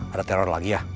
ada teror lagi ya